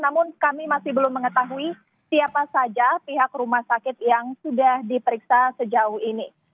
namun kami masih belum mengetahui siapa saja pihak rumah sakit yang sudah diperiksa sejauh ini